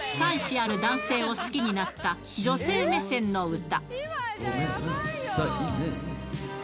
ある男性を好きになった女性目線の歌。